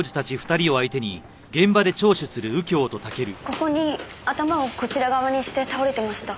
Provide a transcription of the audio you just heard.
ここに頭をこちら側にして倒れてました。